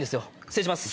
失礼します。